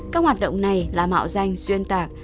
các hoạt động này là mạo danh xuyên tạc